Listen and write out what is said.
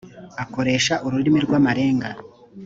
akoresha ururimi rw amarenga